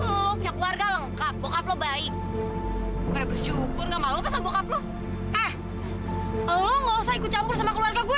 lo punya keluarga lengkap bokap lo baik bukan bersyukur nggak malu pas bokap lo eh allah gak usah ikut campur sama keluarga gue